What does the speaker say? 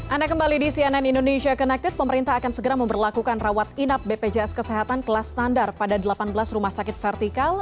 anda kembali di cnn indonesia connected pemerintah akan segera memperlakukan rawat inap bpjs kesehatan kelas standar pada delapan belas rumah sakit vertikal